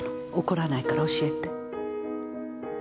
怒らないから教えて。